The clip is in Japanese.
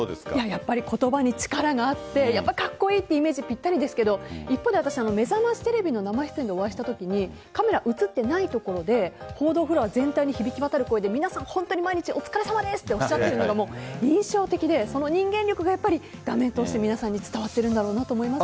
やっぱり言葉に力があってカッコイイというイメージぴったりですけど一方で「めざましテレビ」の生出演でお会いしたことにカメラに映ってないところで報道フロア全体に響き渡る声で皆さん、本当に毎日お疲れさまですっておっしゃってるのが印象的で人間力が画面を通して伝わっているんだろうなと思いました。